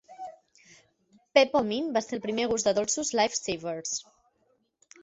Pep-O-Mint va ser el primer gust de dolços "Life Savers".